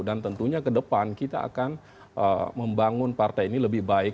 dan tentunya ke depan kita akan membangun partai ini lebih baik